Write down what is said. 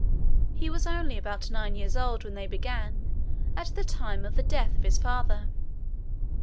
He was only about nine years old when they began, at the time of the death of his father.